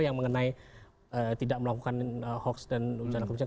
yang mengenai tidak melakukan hoax dan ucara kerucut